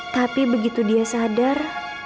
tapi begitu dia sadar